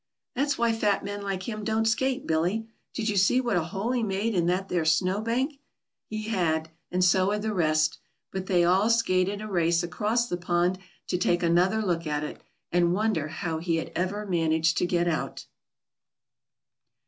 "That's why fat men like him don't skate, Billy. Did you see what a hole he made in that there snow bank?" He had, and so had the rest, but they all skated a race across the pond to take another look at it, and wonder how he ever managed to get out.